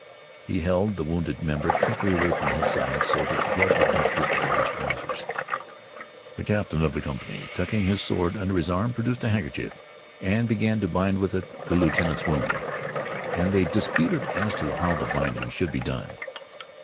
He held the wounded member carefully away from his side so that the blood would not drip upon his trousers. The captain of the company, tucking his sword under his arm, produced a handkerchief and began to bind with it the lieutenant's wound. And they disputed as to how the binding should be done.